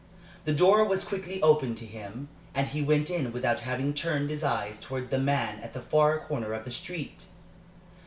The door was quickly opened to him, and he went in without having turned his eyes towards the man at the far corner of the street.